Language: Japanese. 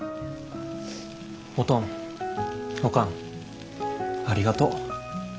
おとんおかんありがとう。